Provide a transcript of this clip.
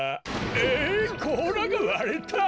えっこうらがわれた！？